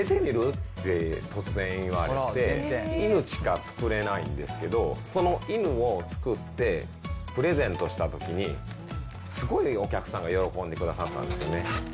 って突然、言われて、犬しか作れないんですけど、その犬を作ってプレゼントしたときに、すごいお客さんが喜んでくださったんですよね。